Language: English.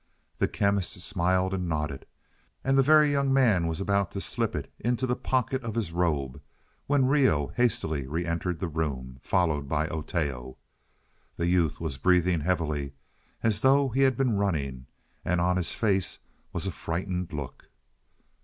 The Chemist smiled and nodded, and the Very Young Man was about to slip it into the pocket of his robe when Reoh hastily reentered the room, followed by Oteo. The youth was breathing heavily, as though he had been running, and on his face was a frightened look.